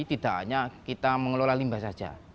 tidak hanya kita mengelola limbah saja